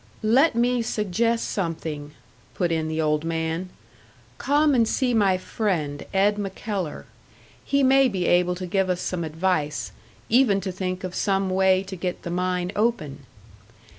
"Let me suggest something," put in the old man. "Come and see my friend Ed MacKellar. He may be able to give us some advice even to think of some way to get the mine open."